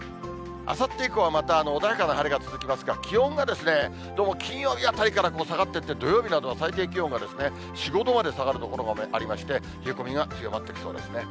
あさって以降はまた、また穏やかな晴れが続きますが、気温がどうも金曜日あたりから下がってって、土曜日などは最低気温が４、５度まで下がる所がありまして、冷え込みが強まってきそうですね。